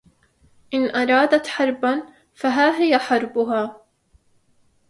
إن أرادت حربا، فها هي حربها.